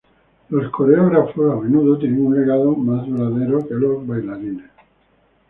Los coreógrafos a menudo tienen un legado más duradero que los bailarines.